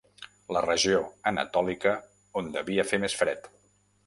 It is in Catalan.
La regió anatòlica on devia fer més fred.